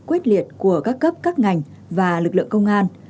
quyết liệt của các cấp các ngành và lực lượng công an